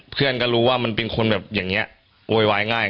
เพื่อนก็รู้ว่ามันเป็นคนแบบอย่างนี้โวยวายง่าย